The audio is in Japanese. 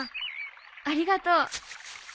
ありがとう。